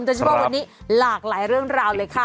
เฉพาะวันนี้หลากหลายเรื่องราวเลยค่ะ